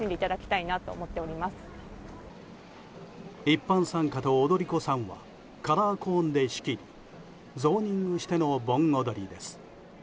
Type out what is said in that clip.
一般参加と踊り子さんはカラーコーンで仕切りゾーニングしての盆踊りです。